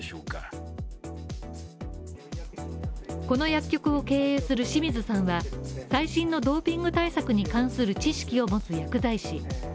この薬局を経営する清水さんは最新ドーピング対策の知識を持つ薬剤師。